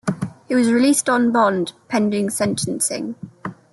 He was released on bond pending sentencing.